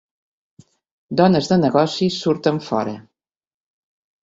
Dones de negocis surten fora